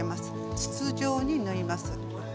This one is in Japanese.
筒状に縫います。